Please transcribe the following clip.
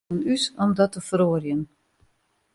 It is oan ús om dat te feroarjen.